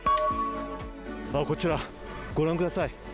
こちら、ご覧ください。